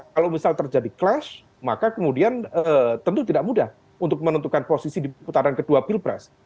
kalau misal terjadi clash maka kemudian tentu tidak mudah untuk menentukan posisi di putaran kedua pilpres